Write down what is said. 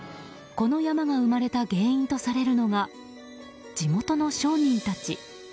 この山が生まれた原因とされるのが地元の商人たち。